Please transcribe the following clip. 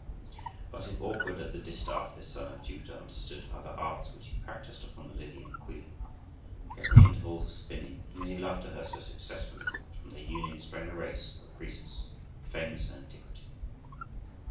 But if awkward at the distaff this son of Jupiter understood other arts which he practised upon the Lydian queen; for in the intervals of spinning he made love to her so successfully that from their union sprang the race of Crœsus, famous in antiquity.